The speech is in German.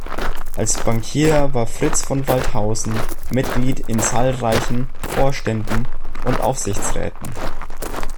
Als Bankier war Fritz von Waldthausen Mitglied in zahlreichen Vorständen und Aufsichtsräten.